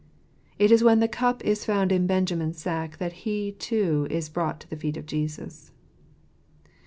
It is when the cup is found in Benjamin's sack that he, too, is brought to the feet of Jesus.